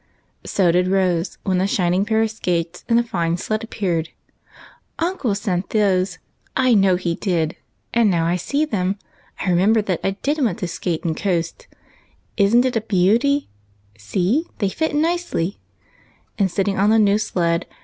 So did Rose, when a shining pair of skates and a fine sled appeared. " Uncle sent those ; I know he did ; and, now I see them, I remember that I did want to skate and coast. Is n't it a beauty ? See ! they fit nicely," and, sit ting on the new sled.